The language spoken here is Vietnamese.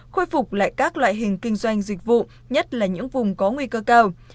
khôi phục lại các loại hình kinh doanh dịch vụ nhất là những vùng có nguy cơ cao